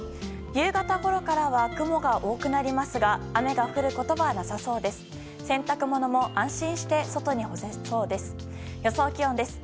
夕方ごろからは雲が多くなりますが雨が降ることはなさそうです。